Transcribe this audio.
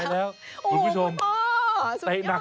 พอแล้วลูกพาด